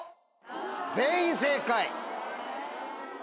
全員正解。